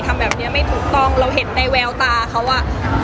ทำแบบนี้ไม่ถูกต้องเราเห็นในแววตาเขาอ่ะ